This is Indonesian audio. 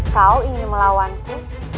kau ingin melawanku